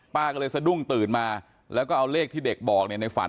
ป้าก็เลยสะดุ้งตื่นมาแล้วก็เอาเลขที่เด็กบอกเนี่ยในฝัน